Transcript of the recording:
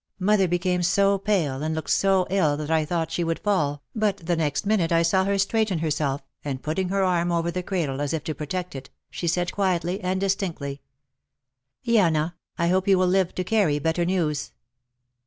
Mother became so pale and looked so ill that I thought she would fall, but the next minute I saw her straighten herself, and putting her arm over the cradle as if to protect it, she said quietly and distinctly, "Yana, I hope you will live to carry better news."